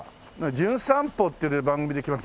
『じゅん散歩』っていう番組で来ました